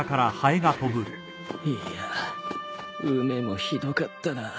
いや梅もひどかったなぁ